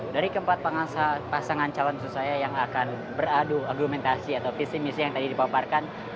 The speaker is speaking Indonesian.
dari keempat pasangan calon maksud saya yang akan beradu argumentasi atau visi misi yang tadi dipaparkan